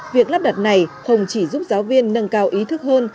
việc lắp đặt này không chỉ giúp giáo viên nâng cao ý thức hơn